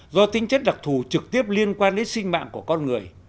do tính chất đặc thù trực tiếp liên quan đến sinh mạng của con người